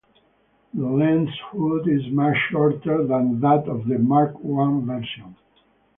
The lens hood is much shorter than that of the Mark One version.